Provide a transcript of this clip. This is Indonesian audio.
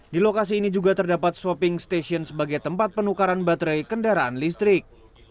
di lokasi ini juga terdapat swapping station sebagai tempat penukaran baterai kendaraan listrik